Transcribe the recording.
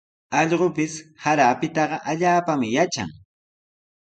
Allqupis sara apitaqa allaapami yatran.